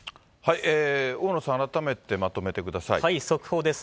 大野さん、速報です。